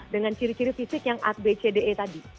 dengan ciri ciri fisik yang a b c d e tadi